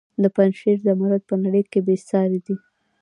د پنجشیر زمرد په نړۍ کې بې ساري دي